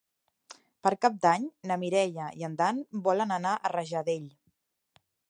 Per Cap d'Any na Mireia i en Dan volen anar a Rajadell.